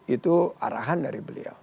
itu arahan dari beliau